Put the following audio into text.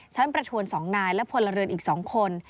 ชั้นประถวนสองนายและผลเรือนอีกสองคน